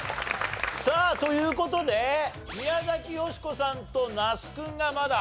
さあという事で宮崎美子さんと那須君がまだ。